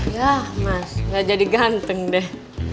ya mas gak jadi ganteng deh